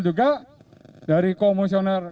juga dari komisioner